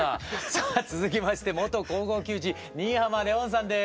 さあ続きまして元高校球児新浜レオンさんです。